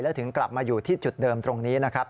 และถึงกลับมาอยู่ที่จุดเดิมตรงนี้นะครับ